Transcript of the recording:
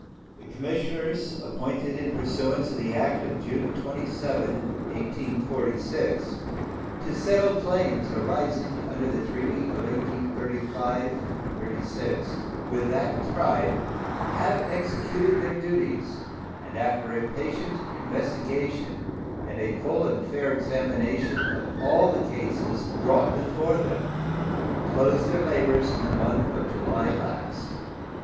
The commissioners appointed in pursuance of the act of June 27, 1846, to settle claims arising under the treaty of 1835 36 with that tribe have executed their duties, and after a patient investigation and a full and fair examination of all the cases brought before them closed their labors in the month of July last.